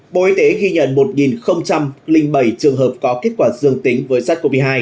bộ y tế ghi nhận một bảy trường hợp có kết quả dương tính với sars cov hai